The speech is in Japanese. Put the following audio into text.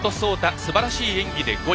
すばらしい演技で５位。